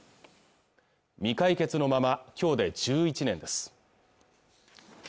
未解決のままきょうで１１年です